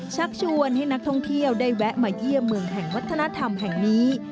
ชักชวนให้นักท่องเที่ยวได้แวะมาเยี่ยมเมืองแห่งวัฒนธรรมแห่งนี้